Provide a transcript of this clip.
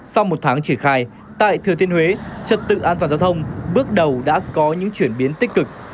sau một tháng triển khai tại thừa thiên huế trật tự an toàn giao thông bước đầu đã có những chuyển biến tích cực